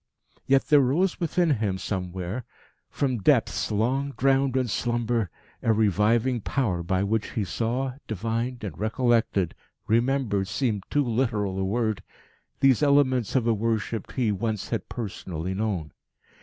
Yet there rose within him somewhere, from depths long drowned in slumber, a reviving power by which he saw, divined and recollected remembered seemed too literal a word these elements of a worship he once had personally known.